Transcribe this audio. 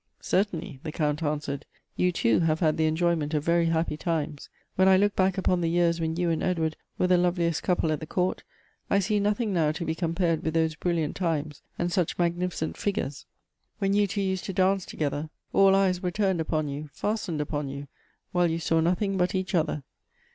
" Certainly," the Count answered, " you too have had the enjoyment of very happy times. When I look back upon the years when you and Edward were the loveliest couple at the court, I see nothing now to be compared with those brilliant times, and such magnificent figures. When you two used to dance together, all eyes were turned upon you, fastened upon you, while you saw noth ing but. each other."